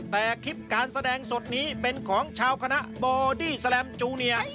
แต่คลิปการแสดงสดนี้เป็นของชาวคณะบอดี้แลมจูเนีย